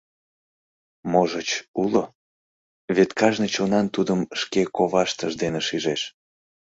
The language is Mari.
Можыч, уло, вет кажне чонан тудым шке коваштыж дене шижеш.